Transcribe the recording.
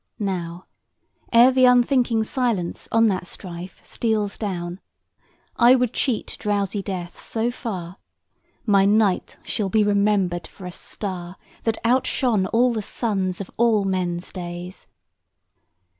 Now, ere the unthinking silence on that strife Steals down, I would cheat drowsy Death so far, My night shall be remembered for a star That outshone all the suns of all men's days.